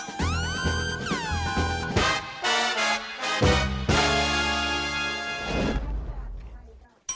ดีดีสิ